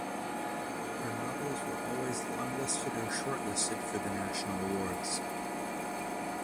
Her novels were always longlisted or shortlisted for the national awards.